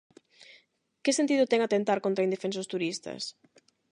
Que sentido ten atentar contra indefensos turistas?